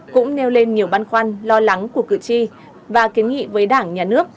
cũng nêu lên nhiều băn khoăn lo lắng của cử tri và kiến nghị với đảng nhà nước